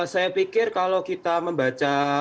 saya pikir kalau kita membaca